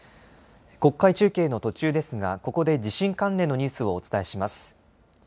国会中継の途中ですがここで地震関連のニュースをお伝えします。